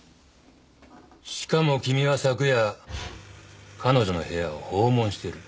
しかも君は昨夜彼女の部屋を訪問している。